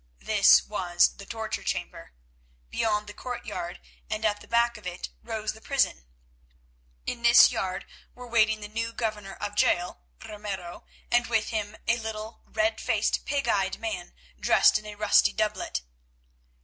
This was the torture chamber. Beyond was the courtyard, and at the back of it rose the prison. In this yard were waiting the new governor of the jail, Ramiro, and with him a little red faced, pig eyed man dressed in a rusty doublet.